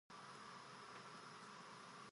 チョコミントよりもおまえ